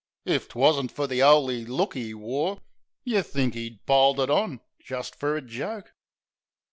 If 'twasn't fer the 'oly look 'e wore Yeh'd think 'e piled it on jist fer a joke.